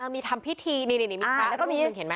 มีทำพิธีนี่มีพระรูปหนึ่งเห็นไหม